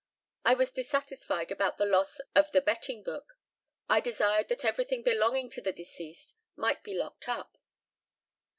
I was dissatisfied about the loss of the betting book. I desired that everything belonging to the deceased might be locked up.